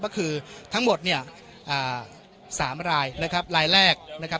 ก็คือทั้งหมดเนี่ย๓รายนะครับรายแรกนะครับ